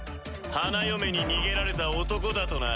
花嫁に逃げられた男だとな。